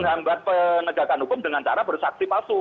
menghambat penegakan hukum dengan cara bersaksi palsu